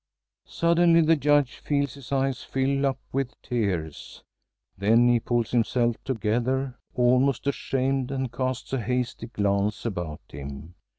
Suddenly the Judge feels his eyes fill up with tears; then he pulls himself together, almost ashamed, and casts a hasty glance about him.